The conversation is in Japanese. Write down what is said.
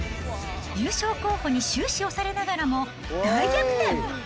優勝候補に終始押されながらも、大逆転。